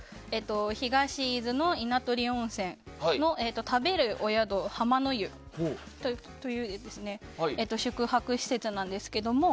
東伊豆の稲取温泉の食べるお宿浜の湯という宿泊施設なんですけれども。